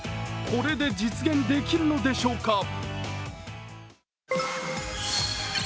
これで、実現できるのでしょうか。